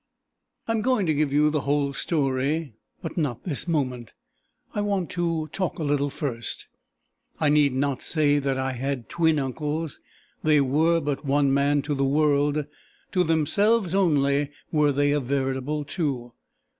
I am going to give you the whole story, but not this moment; I want to talk a little first. I need not say that I had twin uncles. They were but one man to the world; to themselves only were they a veritable two.